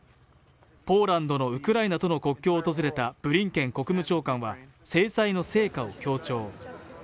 ポーランドのウクライナとの国境を訪れたブリンケン国務長官は制裁の成果を強調。